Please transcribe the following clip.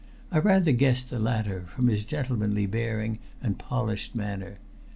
I rather guessed the latter, from his gentlemanly bearing and polished manner.